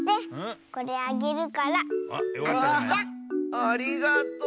ありがとう！